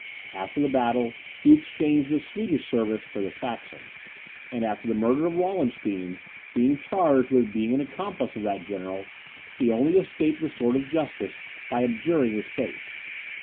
After the battle, he exchanged the Swedish service for the Saxon; and, after the murder of Wallenstein, being charged with being an accomplice of that general, he only escaped the sword of justice by abjuring his faith.